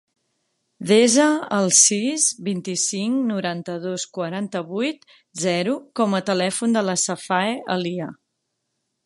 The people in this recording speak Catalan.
Desa el sis, vint-i-cinc, noranta-dos, quaranta-vuit, zero com a telèfon de la Safae Alia.